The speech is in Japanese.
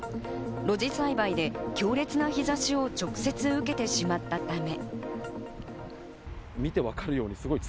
露地栽培で強烈な日差しを直接受けてしまったため。